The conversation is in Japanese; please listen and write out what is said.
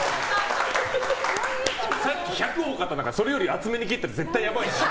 さっき１００多かったんだからそれより厚めに切ったら絶対やばいでしょ。